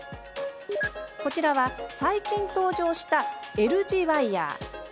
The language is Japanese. こちらは最近、登場したＬ字ワイヤー。